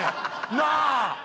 なあ！